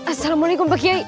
assalamualaikum pak kiai